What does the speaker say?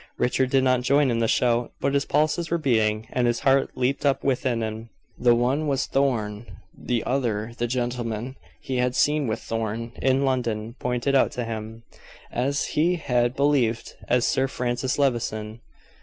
Richard did not join in the shout, but his pulses were beating, and his heart leaped up within him. The one was Thorn; the other the gentleman he had seen with Thorn in London, pointed out to him as he had believed as Sir Francis Levison.